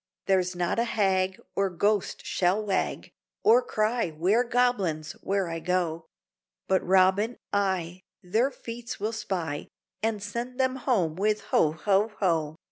There's not a hag Or ghost shall wag, Or cry, ware Goblins! where I go; But Robin, I, their feats will spy, And send them home with ho! ho! ho!